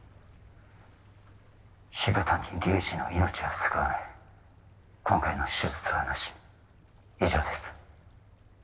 渋谷隆治の命は救わない今回の手術はなし以上です